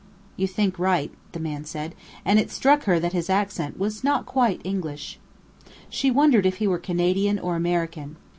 "You think right," the man said, and it struck her that his accent was not quite English. She wondered if he were Canadian or American.